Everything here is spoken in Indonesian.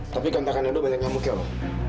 tapi gantahkan edo banyak nyamuk ya ma